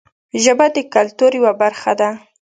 ژبه د کلتور یوه برخه ده